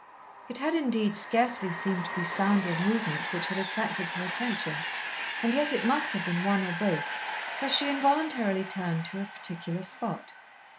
It had indeed scarcely seemed to be sound or movement which had attracted her attention, and yet it must have been one or both, for she involuntarily turned to a particular spot.